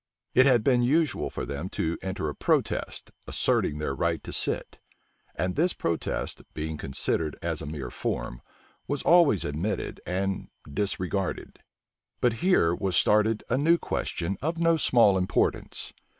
It had been usual for them to enter a protest, asserting their right to sit; and this protest, being considered as a mere form, was always admitted and disregarded. But here was started a new question of no small importance.